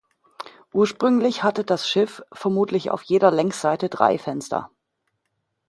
Ursprünglich hatte das Schiff vermutlich auf jeder Längsseite drei Fenster.